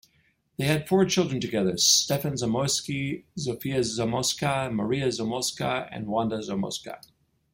They had four children together: Stefan Zamoyski, Zofia Zamoyska, Maria Zamoyska and Wanda Zamoyska.